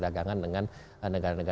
bahkan kita mempunyai cctp dan seterusnya